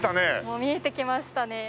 もう見えてきましたね。